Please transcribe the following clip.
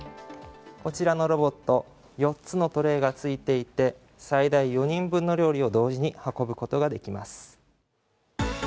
こちらのロボット、４つのトレイがついていて、最大４人分の料理を同時に運ぶことができます。